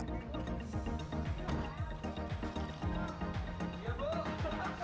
sehingga adonan bisa terbentuk dengan kekuatan yang sangat baik